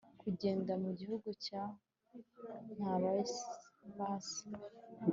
kugenda mu gihugu cyabo nta laissez passer